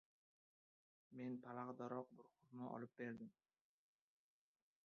Men palag‘daroq bir xurmo olib berdim.